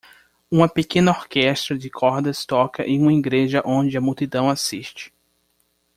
Uma pequena orquestra de cordas toca em uma igreja onde a multidão assiste.